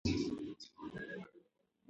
ساعت په ډېرې تېزۍ او چټکتیا سره حرکت کوي.